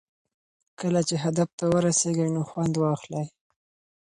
کله چې هدف ته ورسېږئ نو خوند واخلئ.